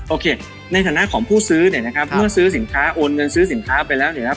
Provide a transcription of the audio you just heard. โอเคในฐานะของผู้ซื้อเนี่ยนะครับเมื่อซื้อสินค้าโอนเงินซื้อสินค้าไปแล้วเนี่ยนะครับ